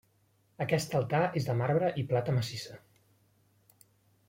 Aquest altar és de marbre i plata massissa.